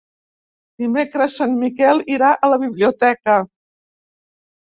Dimecres en Miquel irà a la biblioteca.